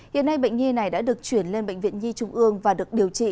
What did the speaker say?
hiện nay bệnh nhi này đã được chuyển lên bệnh viện nhi trung ương và được điều trị